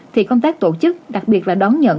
thì công tác tổ chức đặc biệt là đón nhận